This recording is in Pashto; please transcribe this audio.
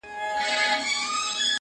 د شنو خالونو د ټومبلو کيسه ختمه نه ده.